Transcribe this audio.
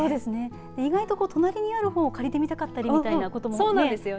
意外と隣にある本を借りてみたかったりみたいなこともありますよね。